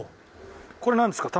これなんですか？